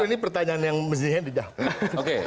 ini pertanyaan yang mesinnya tidak